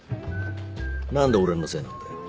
何で俺のせいなんだよ。